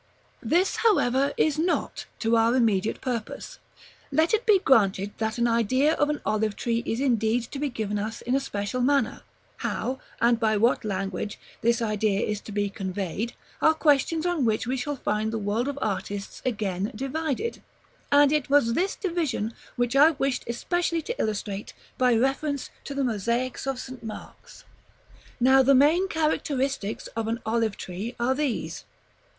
§ XIV. This, however, is not to our immediate purpose. Let it be granted that an idea of an olive tree is indeed to be given us in a special manner; how, and by what language, this idea is to be conveyed, are questions on which we shall find the world of artists again divided; and it was this division which I wished especially to illustrate by reference to the mosaics of St. Mark's. Now the main characteristics of an olive tree are these.